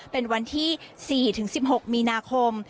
เป็นวันที่๔๑๖มีนาคม